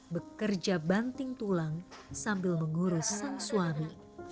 bekerja banting tulang sambil mengurus sang suami